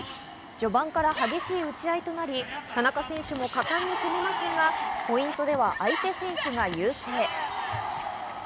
序盤から激しい打ち合いとなり、田中選手も果敢に攻めますが、ポイントでは相手選手が優勢。